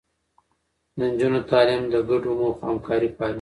د نجونو تعليم د ګډو موخو همکاري پالي.